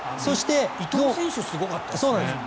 伊東選手すごかったですね。